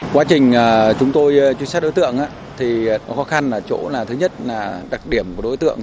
quá trình chúng tôi truy xét đối tượng thì khó khăn là chỗ là thứ nhất là đặc điểm của đối tượng